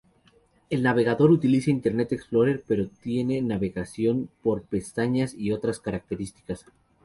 El navegador utiliza Internet Explorer, pero tiene navegación por pestañas y otras características.